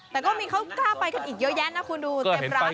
แต่ก็มีเขากล้าไปกันอีกเยอะแยะนะคุณดูเต็มร้าน